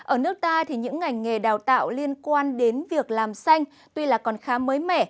ở nước ta thì những ngành nghề đào tạo liên quan đến việc làm xanh tuy là còn khá mới mẻ